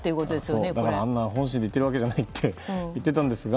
本心で言ってるわけじゃないと言っていたんですが。